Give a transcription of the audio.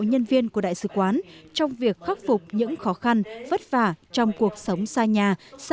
nhân viên của đại sứ quán trong việc khắc phục những khó khăn vất vả trong cuộc sống